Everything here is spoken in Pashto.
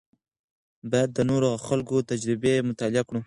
باید د نورو خلکو تجربې مطالعه کړو.